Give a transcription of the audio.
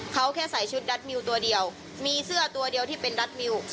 เขาแค่ใส่ชุดดัดมิวตัวเดียวมีเสื้อตัวเดียวที่เป็นดัดมิว